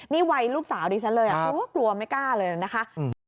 นี่วัยลูกสาวดิฉันเลยกลัวไม่กล้าเลยนะคะ